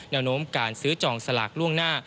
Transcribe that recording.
แนวโน้มการซื้อจองสลากล่วงหน้า